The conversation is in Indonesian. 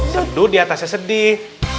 sedut di atas sedih